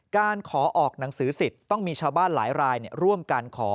การขอออกหนังสือสิทธิ์ต้องมีชาวบ้านหลายรายร่วมการขอ